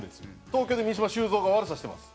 東京で三島シュウゾウが悪さしてます。